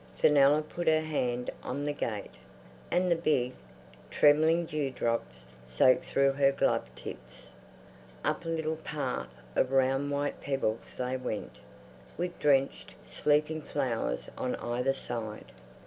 Fenella put her hand on the gate, and the big, trembling dew drops soaked through her glove tips. Up a little path of round white pebbles they went, with drenched sleeping flowers on either side.